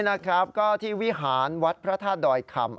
นี่ที่วิหารวัชพระทาจดอยคำ